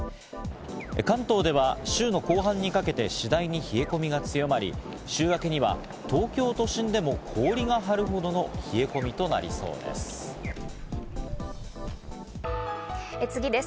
関東では週の後半にかけて次第に冷え込みが強まり、週明けには東京都心でも氷が張るほどの冷え込みとなりそうです。